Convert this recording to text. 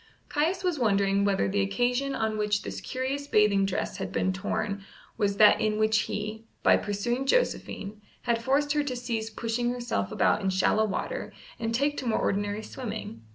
Caius was wondering whether the occasion on which this curious bathing dress had been torn was that in which he, by pursuing Josephine, had forced her to cease pushing herself about in shallow water and take to more ordinary swimming.